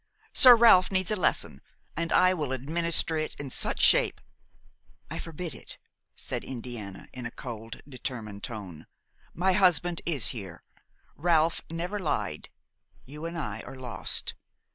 "Sir Ralph needs a lesson, and I will administer it in such shape–" "I forbid it," said Indiana, in a cold, determined tone: "my husband is here: Ralph never lied. You and I are lost.